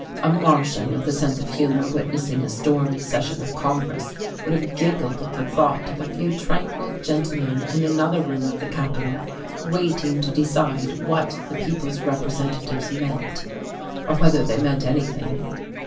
A Martian with a sense of humour witnessing a stormy session of Congress would have giggled at the thought of a few tranquil gentlemen in another room of the Capitol waiting to decide what the people's representatives meant or whether they meant anything....